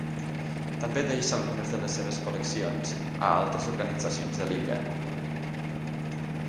També deixa algunes de les seves col·leccions a altres organitzacions de l'illa.